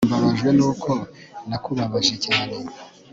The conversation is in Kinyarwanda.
Mbabajwe nuko nakubabaje cyane